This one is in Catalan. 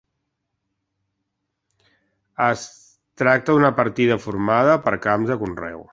Es tracta d'una partida formada per camps de conreu.